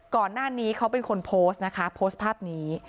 ก่อนหน้านี้เขาเป็นคนโพสต์นะคะโพสต์ภาพนี้